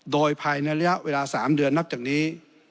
โดยภายในระยะเวลา๓เดือนนับจากนี้